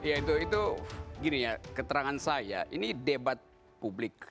ya itu itu gini ya keterangan saya ini debat publik